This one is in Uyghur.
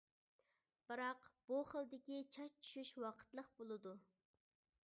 بىراق، بۇ خىلدىكى چاچ چۈشۈش ۋاقىتلىق بولىدۇ.